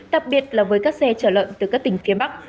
đặc biệt là với các xe chở lợn từ các tỉnh phía bắc